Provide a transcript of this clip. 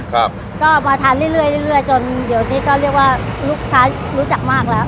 ครับก็มาทานเรื่อยเรื่อยจนเดี๋ยวนี้ก็เรียกว่าลูกค้ารู้จักมากแล้ว